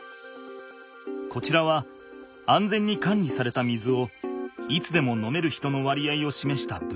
こちらは安全に管理された水をいつでも飲める人の割合をしめした分布図。